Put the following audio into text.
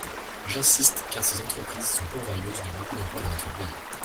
J’insiste car ces entreprises sont pourvoyeuses de beaucoup d’emplois dans notre pays.